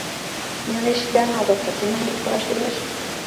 — Нелеш ида нал, доктор, тендан дек пураш лиеш?